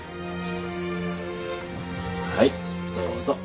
はいどうぞ。